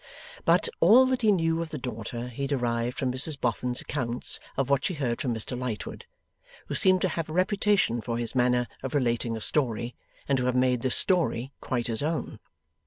But, all that he knew of the daughter he derived from Mrs Boffin's accounts of what she heard from Mr Lightwood, who seemed to have a reputation for his manner of relating a story, and to have made this story quite his own.